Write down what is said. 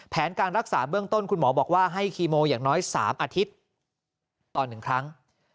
การรักษาเบื้องต้นคุณหมอบอกว่าให้คีโมอย่างน้อย๓อาทิตย์ต่อ๑ครั้ง